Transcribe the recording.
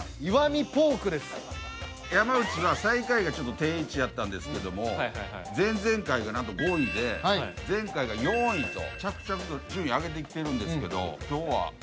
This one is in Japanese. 山内は最下位が定位置やったんですけども前々回がなんと５位で前回が４位と着々と順位上げてきてるんですけど。